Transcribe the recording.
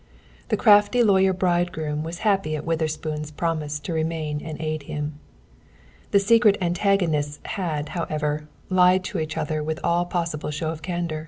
The crafty lawyer bridegroom was happy at Witherspoon's promise to remain and aid him. The secret antagonists had, however, lied to each other with all possible show of candor.